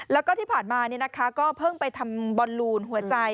แล้วก็ที่ผ่านมาเนี่ยนะคะก็เพิ่งไปทำบอนลูนหัวใจ